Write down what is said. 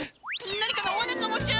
何かのわなかもチュン。